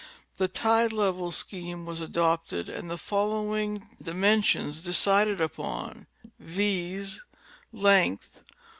The tide level scheme was adopted and the following dimen sions decided upon, viz : Length, 45.